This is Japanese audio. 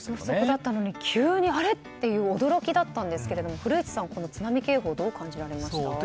そこだったのに急にあれって驚きだったんですけど古市さん、津波警報どう感じますか？